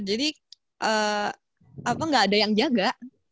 jadi apa gak ada yang jaga